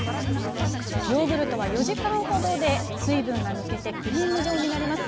ヨーグルトは４時間ほどで水分が抜けてクリーム状になります。